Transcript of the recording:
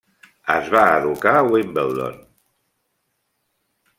Es va educar a Wimbledon.